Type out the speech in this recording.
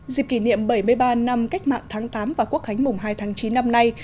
dịp kỷ niệm bảy mươi ba năm cách mạng tháng tám và quốc khánh mùng hai tháng chín năm nay